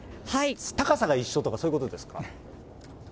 高さが一緒とか、そういうことですか？